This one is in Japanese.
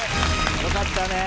よかったね。